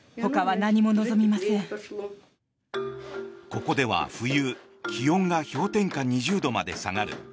ここでは冬、気温が氷点下２０度まで下がる。